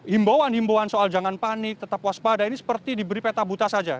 himbauan himbauan soal jangan panik tetap waspada ini seperti diberi peta buta saja